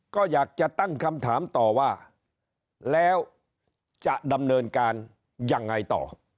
ก็อยากจะตั้งคำถามต่อว่าแล้วจะดำเนินการยังไงต่อ